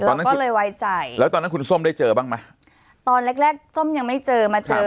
ตอนนั้นก็เลยไว้ใจแล้วตอนนั้นคุณส้มได้เจอบ้างไหมตอนแรกแรกส้มยังไม่เจอมาเจอ